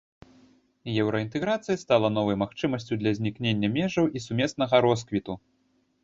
Еўраінтэграцыя стала новай магчымасцю для знікнення межаў і сумеснага росквіту.